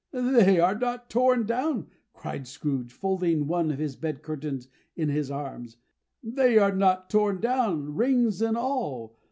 "They are not torn down," cried Scrooge, folding one of his bed curtains in his arms, "they are not torn down, rings and all.